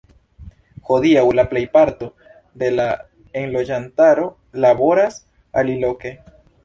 Hodiaŭ la plejparto de la enloĝantaro laboras aliloke.